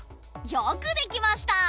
よくできました。